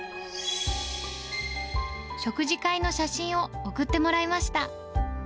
食事会の写真を送ってもらいました。